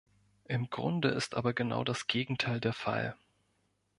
Im Grunde ist aber genau das Gegenteil der Fall.